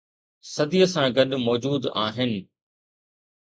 صديءَ سان گڏ موجود آهن